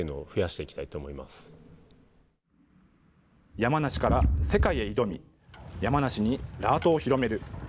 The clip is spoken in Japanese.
山梨から世界へ挑み、山梨にラートを広める。